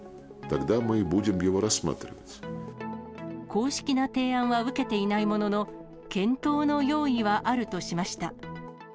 公式な提案は受けていないものの、検討の用意はあるとしました。